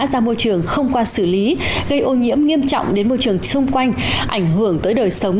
ra môi trường không qua xử lý gây ô nhiễm nghiêm trọng đến môi trường xung quanh ảnh hưởng tới đời sống